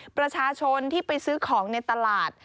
ประชาชนที่ไปซื้อของในตลาด